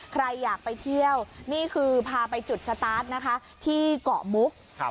ใครอยากไปเที่ยวนี่คือพาไปจุดสตาร์ทนะคะที่เกาะมุก